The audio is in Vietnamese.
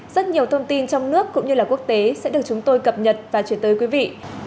rất nhiều thông tin trong nước cũng như là quốc tế sẽ được chúng tôi cập nhật và chuyển tới quý vị